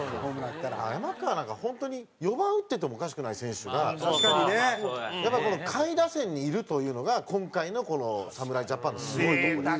山川なんか本当に４番打っててもおかしくない選手がやっぱこの下位打線にいるというのが今回のこの侍ジャパンのすごいとこです。